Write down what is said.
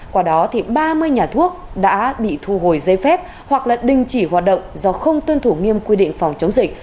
qua đó thì ba mươi nhà thuốc đã bị thu hồi giấy phép hoặc là đình chỉ hoạt động do không tuân thủ nghiêm quy định phòng chống dịch